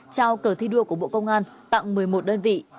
trao cờ thi đua của bộ công an tặng một mươi một đơn vị